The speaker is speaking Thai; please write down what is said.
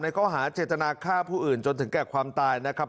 ข้อหาเจตนาฆ่าผู้อื่นจนถึงแก่ความตายนะครับ